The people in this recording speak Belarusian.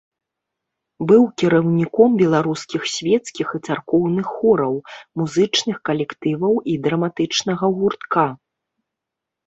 Быў кіраўніком беларускіх свецкіх і царкоўных хораў, музычных калектываў і драматычнага гуртка.